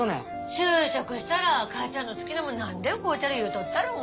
就職したら母ちゃんの好きなもん何でも買うちゃる言うとったろうが。